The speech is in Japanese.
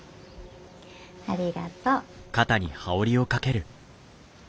ありがとう。